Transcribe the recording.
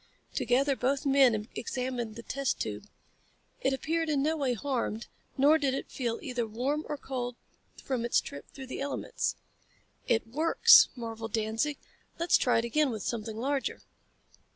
Together both men examined the test tube. It appeared in no way harmed, nor did it feel either warm or cold from its trip through the elements. "It works!" marveled Danzig. "Let's try it again with something larger."